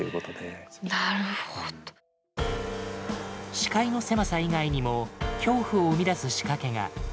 視界の狭さ以外にも恐怖を生み出す仕掛けが。